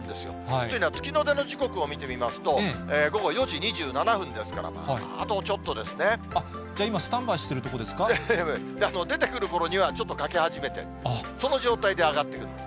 というのは、月の出の時刻を見てみますと、午後４時２７分ですから、あとちじゃあ今、スタンバイしてい出てくるころには、ちょっと欠け始めている、その状態で上がってくる。